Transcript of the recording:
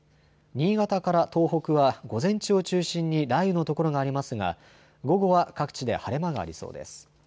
新潟から東北は午前中を中心に雷雨の所がありますが午後は各地で晴れ間がありそうです。